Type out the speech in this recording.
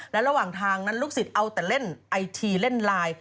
และระหว่างทางนั้นลูกศิษย์เอาแต่เล่นไอทีเล่นไลน์